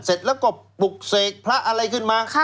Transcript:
เสร็จแล้วก็ปลุกเสกพระอะไรขึ้นมา